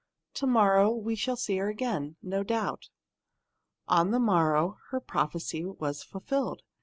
"To morrow we'll see her again, no doubt." On the morrow her prophecy was fulfilled.